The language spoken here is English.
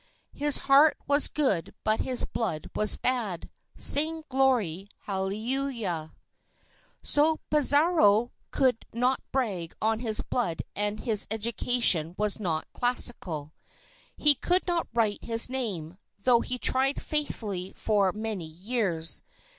His heart was good but his blood was bad, Sing glory hallelujah. So Pizarro could not brag on his blood and his education was not classical. He could not write his name, though he tried faithfully for many years.